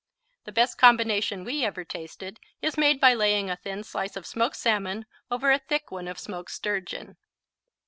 The best combination we ever tasted is made by laying a thin slice of smoked salmon over a thick one of smoked sturgeon.